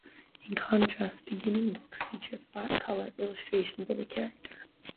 In contrast, "Beginnings" books feature flat colour illustrations of the characters.